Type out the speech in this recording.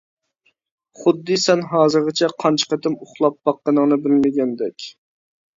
خۇددى سەن ھازىرغىچە قانچە قېتىم ئۇخلاپ باققىنىڭنى بىلمىگەندەك.